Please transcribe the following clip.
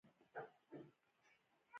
لمسی لمسي لمسې